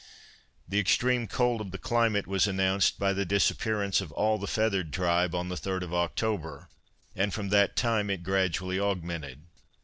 The extreme cold of the climate was announced by the disappearance of all the feathered tribe on the third of October, and from that time it gradually augmented.